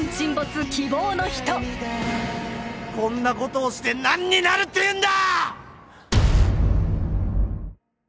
こんなことをしてなんになるっていうんだ！